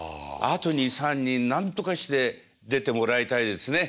あと２３人なんとかして出てもらいたいですね。